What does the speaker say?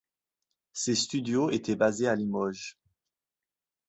Ses studios étaient basés à Limoges.